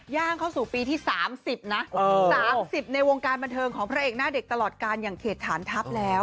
ย่างเข้าสู่ปีที่๓๐นะ๓๐ในวงการบันเทิงของพระเอกหน้าเด็กตลอดการอย่างเขตฐานทัพแล้ว